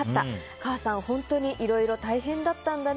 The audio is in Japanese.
母さん、本当にいろいろ大変だったんだね。